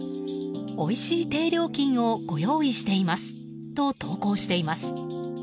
おいしい低料金をご用意していますと投稿しています。